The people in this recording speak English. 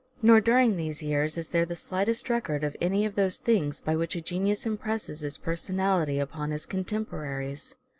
Nor during these years is there the slightest record of any of those things by which a genius impresses his personality upon his contemporaries.